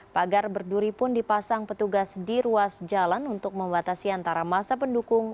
pagar berduri pun dipasang petugas di ruas jalan untuk membatasi antara masa pendukung